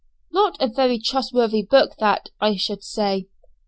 Not a very trustworthy book that, I should say.